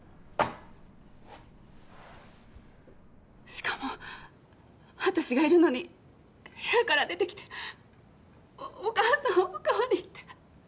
しかも私がいるのに部屋から出てきておお母さんお代わりって。